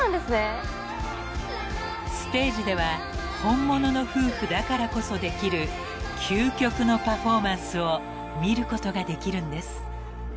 ［ステージでは本物の夫婦だからこそできる究極のパフォーマンスを見ることができるんです］